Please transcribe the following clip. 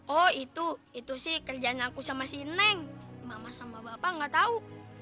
oh itu itu sih kerjaan aku sama si eneng mama sama bapak gak tahu